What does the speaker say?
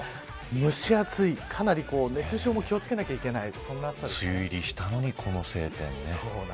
蒸し暑いかなり熱中症も気を付けなければいけない梅雨入りしたのにこの晴天ね。